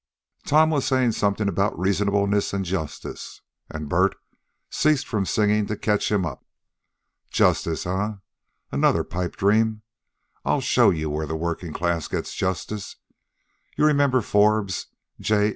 Tom was saying something about reasonableness and justice, and Bert ceased from singing to catch him up. "Justice, eh? Another pipe dream. I'll show you where the working class gets justice. You remember Forbes J.